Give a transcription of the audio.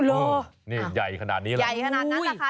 โอ้โหใหญ่ขนาดนี้หรอโอ้โห